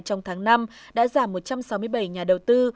trong tháng năm đã giảm một trăm sáu mươi bảy nhà đầu tư